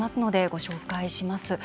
ご紹介します。